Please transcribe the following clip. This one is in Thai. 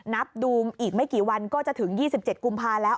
นับดูอีกไม่กี่วันก็จะถึง๒๗กุมภาแล้ว